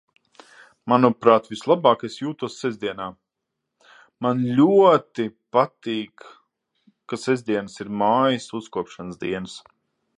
Manuprāt, vislabāk es jūtos sestdienā. Man ļoti patīk, ka sestdienas ir mājas uzkopšanas dienas.